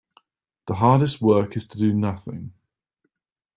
The hardest work is to do nothing.